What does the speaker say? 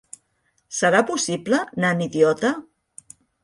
Serà possible, nan idiota!